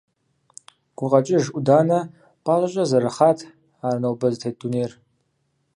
Гукъэкӏыж ӏуданэ пӏащӏэкӏэ зэрыхъат ар нобэ зытет дунейр.